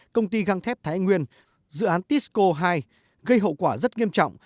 công ty găng thép thái nguyên dự án tisco hai gây hậu quả rất nghiêm trọng